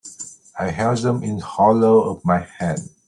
I held them in the hollow of my hand.